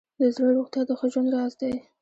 د زړه روغتیا د ښه ژوند راز دی.